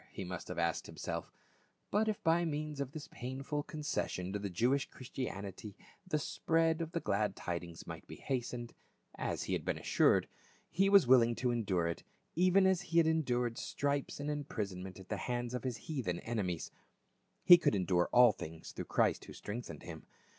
he must have asked himself; but if by means of this painful concession to the Jewish Christianity the spread of the glad tidings might be hastened — as he had been assured, he was willing to endure it, even as he had endured stripes and imprisonment at the hands of his heathen enemies ; he could endure all things through Christ who strengthened him.